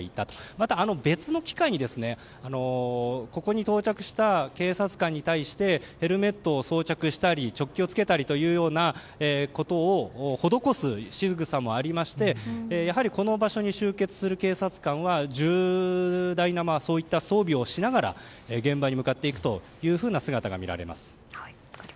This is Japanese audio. また、別の機会にここに到着した警察官に対してヘルメットを装着したりチョッキを着けたりというようなことを施すしぐさもありましてやはり、この場所に集結する警察官は重大な装備をしながら現場に向かっていくというふうな姿が見られます。